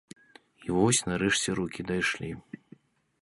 І вось нарэшце рукі дайшлі.